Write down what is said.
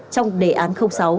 trong đề án sáu